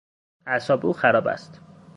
اعصاب او خراب است.